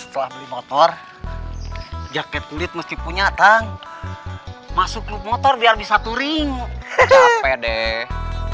setelah motor jaket kulit mesti punya tang masuk klub motor biar bisa turing capek deh